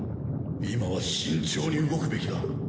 今は慎重に動くべきだ。